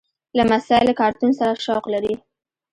لمسی له کارتون سره شوق لري.